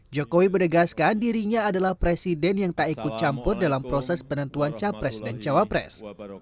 jokowi menegaskan dirinya adalah presiden yang tak ikut campur dalam proses penentuan capres dan cawapres